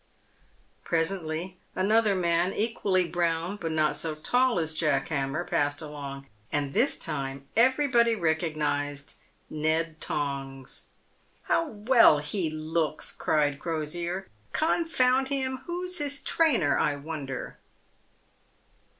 Presently another man, equally brown but not so tall as Jack Hammer, passed along, and this time everybody recognised Ned Tongs. " How well he looks," cried Crosier. " Confound him ! who's his trainer, I wonder